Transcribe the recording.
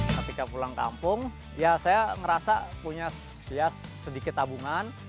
ketika pulang kampung ya saya ngerasa punya sedikit tabungan